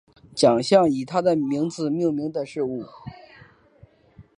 奖项以他的名字命名的事物